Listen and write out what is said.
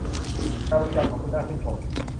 การบริการของคุณน่าชื่นชม